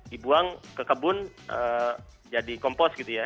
dibuang ke kebun jadi kompos gitu ya